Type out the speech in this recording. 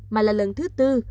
mà là lần thứ tư